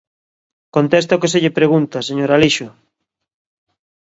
¡Conteste ao que se lle pregunta, señor Alixo!